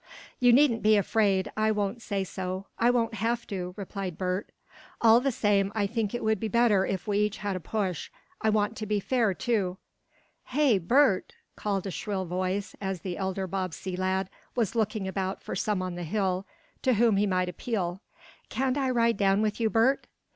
"You needn't be afraid I won't say so I won't have to," replied Bert. "All the same I think it would be better if we each had a push. I want to be fair, too." "Hey, Bert!" called a shrill voice, as the elder Bobbsey lad was looking about for some on the hill to whom he might appeal. "Can't I ride down with you, Bert?"